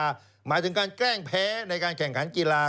หมายถึงการแกล้งแพ้ในการแข่งขันกีฬา